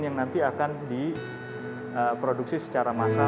yang nanti akan diproduksi secara massal